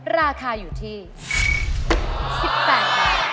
ราคาอยู่ที่๑๘บาท